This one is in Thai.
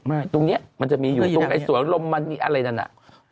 ตรงนี้มันจะมีอยู่ตรงไอ้สวนลมมันมีอะไรนั่นน่ะ